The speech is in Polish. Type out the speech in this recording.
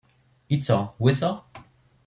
I co, łyso?